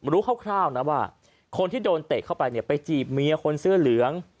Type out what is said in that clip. คร่าวนะว่าคนที่โดนเตะเข้าไปเนี่ยไปจีบเมียคนเสื้อเหลือง